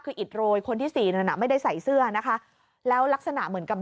คืออิดโรยคนที่สี่ไม่ได้ใส่เสื้อแล้วลักษณะเหมือนกับ